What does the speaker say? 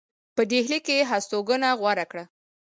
په ډهلي کې یې هستوګنه غوره کړه.